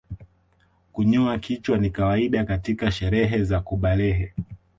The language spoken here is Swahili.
Kunyoa kichwa ni kawaida katika sherehe za kubalehe